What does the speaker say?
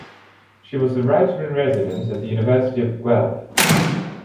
She was the writer-in-residence at the University of Guelph.